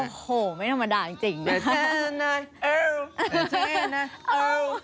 โอ้โหไม่ธรรมดาจริงนะ